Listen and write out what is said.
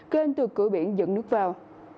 gây ảnh từ cửa biển dẫn nước vào